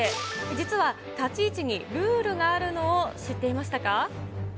実は立ち位置にルールがあるのを知っていましたか？